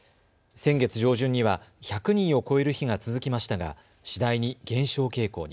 先月上旬には１００人を超える日が続きましたが次第に減少傾向に。